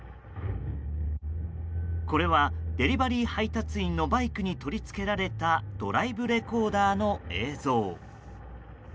これはデリバリー配達員のバイクに取り付けられたドライブレコーダーの映像。